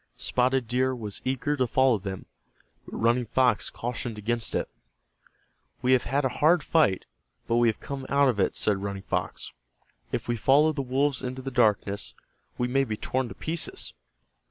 Spotted Deer was eager to follow them, but Running Fox cautioned against it. "We have had a hard fight, but we have come out of it," said Running Fox. "If we follow the wolves into the darkness we may be torn to pieces."